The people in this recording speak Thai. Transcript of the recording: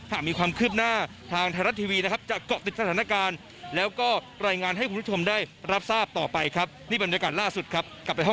ถ้ามีความคืบหน้าทางไทยรัฐทีวีนะครับจะเกาะติดสถานการณ์แล้วก็รายงานให้คุณผู้ชมได้รับทราบต่อไปครับ